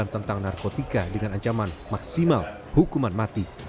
tentang narkotika dengan ancaman maksimal hukuman mati